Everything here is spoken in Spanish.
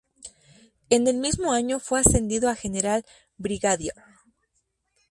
En el mismo año fue ascendido a general brigadier.